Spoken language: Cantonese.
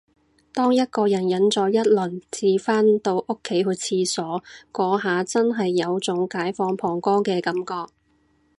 當一個人忍咗一輪至返到屋企去廁所，嗰下真係有種解放膀胱嘅感覺